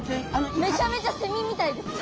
めちゃめちゃセミみたいです。